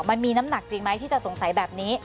มันมีน้ำหนักจริงไหมที่จะสงสัยแบบนี้